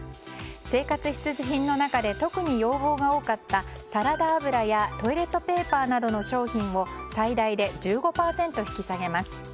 生活必需品の中で特に要望が多かったサラダ油やトイレットペーパーなどの商品を最大で１５％引き下げます。